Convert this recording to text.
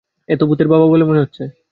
এ তো ভূতের বাবা বলে মনে হচ্ছে!